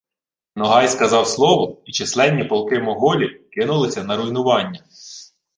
«Ногай сказав слово, і численні полки Моголів кинулися на руйнування